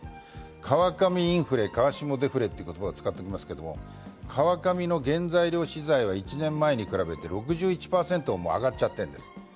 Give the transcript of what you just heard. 川上インフレ、川下デフレという言葉を使っていますけれども、川上の原材料資材は１年前に比べて６１％も上がっちゃってるんです。